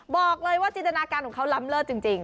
บอกเลยว่าจินตนาการของเขาล้ำเลิศจริง